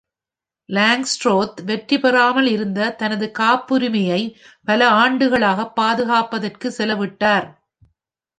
லாங்ஸ்ட்ரோத் வெற்றிபெறாமல் இருந்த தனது காப்புரிமையை பல ஆண்டுகளாக பாதுகாப்பதற்கு செலவிட்டார்.